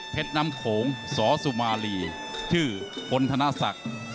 น้ำโขงสสุมารีชื่อพลธนศักดิ์